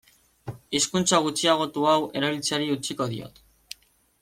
Hizkuntza gutxiagotu hau erabiltzeari utziko diot.